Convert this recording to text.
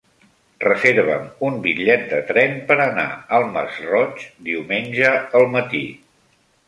Reserva'm un bitllet de tren per anar al Masroig diumenge al matí.